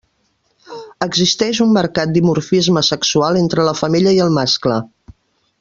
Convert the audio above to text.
Existeix un marcat dimorfisme sexual entre la femella i el mascle.